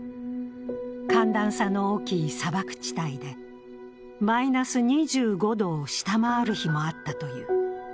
寒暖差の大きい砂漠地帯でマイナス２５度を下回る日もあったという。